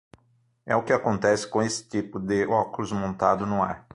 É o que acontece com esse tipo de óculos montado no ar.